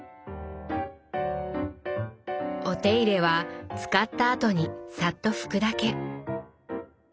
お手入れは使ったあとにサッと拭くだけ。